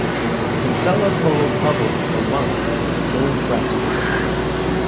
Kinsella followed Hubbell for a month and was still impressed.